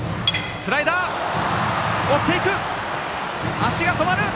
足が止まる！